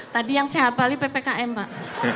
tadi yang saya hafali ppkm pak